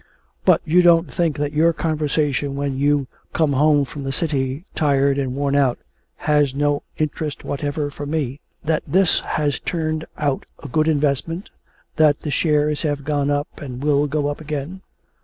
'But you don't think that your conversation when you "come home from the City tired and worn out" has no interest whatever for me; that this has turned out a good investment; that the shares have gone up, and will go up again?